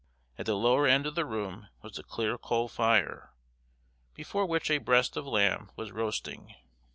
At the lower end of the room was a clear coal fire, before which a breast of lamb was roasting.